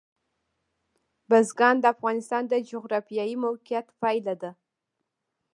بزګان د افغانستان د جغرافیایي موقیعت پایله ده.